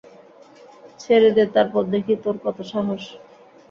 ছেড়ে দে, তারপর দেখি তোর কত সাহস!